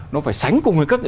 nó phải sánh cùng với các